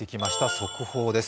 速報です。